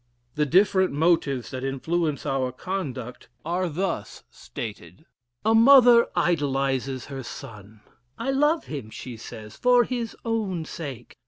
'" The different motives that influence our conduct are thus stated: "A mother idolizes her son; 'I love him,' says she, 'for his own sake.'